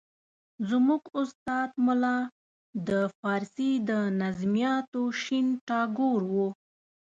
زموږ استاد ملا د فارسي د نظمیاتو شین ټاګور وو.